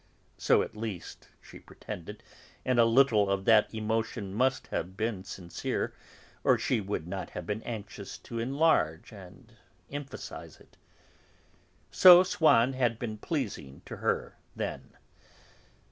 (So, at least, she pretended, and a little of that emotion must have been sincere, or she would not have been anxious to enlarge and emphasise it.) So Swann had been pleasing to her then.